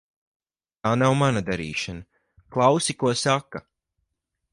Tā nav mana darīšana. Klausi, ko saka.